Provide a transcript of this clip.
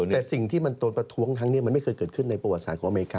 แต่สิ่งที่มันโดนประท้วงครั้งนี้มันไม่เคยเกิดขึ้นในประวัติศาสตร์ของอเมริกา